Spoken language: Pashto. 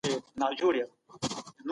دښمني بايد په دوستۍ بدله سي.